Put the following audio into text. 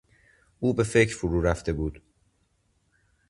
او به فکر فرو رفته بود.